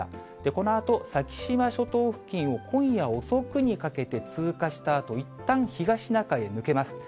このあと、先島諸島付近を今夜遅くにかけて通過したあと、いったん東シナ海へ抜けます。